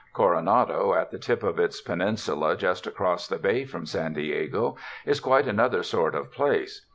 Coronado, at the tip of its peninsula just across the bay from San Diego, is quite another sort of place.